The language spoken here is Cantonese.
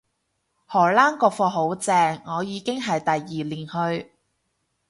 荷蘭個課好正，我已經係第二年去